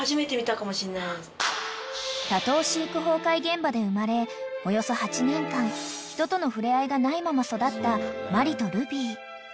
［多頭飼育崩壊現場で生まれおよそ８年間人との触れ合いがないまま育ったマリとルビー］